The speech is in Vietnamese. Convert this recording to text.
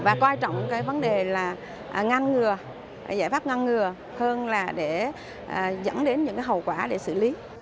và quan trọng cái vấn đề là ngăn ngừa giải pháp ngăn ngừa hơn là để dẫn đến những hậu quả để xử lý